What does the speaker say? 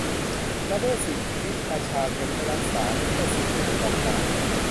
ละเมิดสิทธิประชาชนเพื่อรักษาลิขสิทธิ์ผู้ประกอบการ